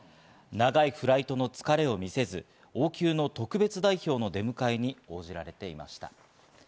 長いフライトの疲れを見せず王宮の特別代表の出迎えに応じられていました。